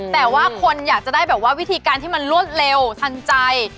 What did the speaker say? แต่ว่าคนอยากจะได้แบบว่าวิธีการที่มันรวดเร็วทันใจ